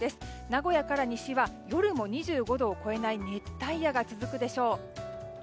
名古屋から西は夜も２５度を下回らない熱帯夜が続くでしょう。